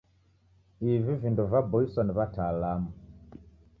Ivi vindo vaboiswa ni w'ataalamu.